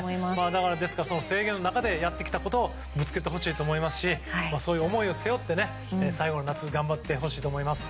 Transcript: だから、その制限の中でやってきたことをぶつけてきてほしいと思いますしそういう思いを背負って最後の夏頑張ってほしいと思います。